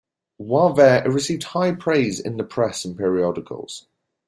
While there it received high praise in the press and periodicals.